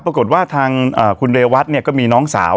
ปรากฏว่าทางคุณเรวัตเนี่ยก็มีน้องสาว